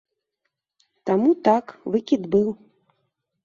Таму так, выкід быў.